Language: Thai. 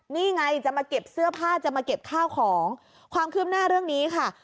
นี่ไงจะมาเก็บเสื้อผ้าจะมาเก็บข้าวของความคืบหน้าเรื่องนี้ค่ะ